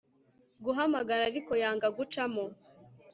guhamagara ariko yanga gucamo